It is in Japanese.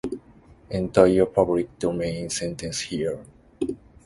Enter your public domain sentence here